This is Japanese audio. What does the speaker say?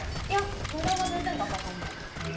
いや値段は全然だったと思う。